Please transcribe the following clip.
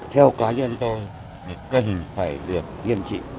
theo cá nhân tôi gần phải được nghiêm trị